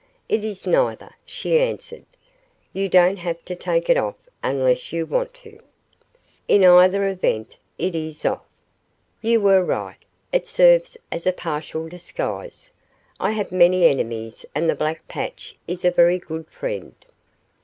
"It is neither," she answered. "You don't have to take it off unless you want to " "In either event, it is off. You were right. It serves as a partial disguise. I have many enemies and the black patch is a very good friend."